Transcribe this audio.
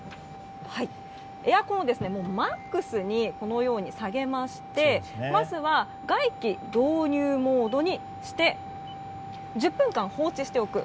エアコンをマックスに下げましてまずは外気導入モードにして１０分間、放置しておく。